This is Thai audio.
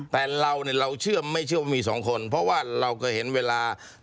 แต่เราเนี่ยเราเชื่อไม่เชื่อว่ามีสองคนเพราะว่าเราเคยเห็นเวลา